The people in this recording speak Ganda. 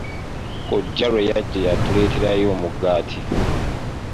Kkojja lwe yajja yatuleeterayo omugaati.